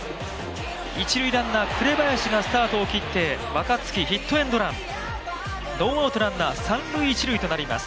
一塁ランナー、紅林がスタートを切って若月、ヒットエンドラン、ノーアウトランナー、三塁一塁となります。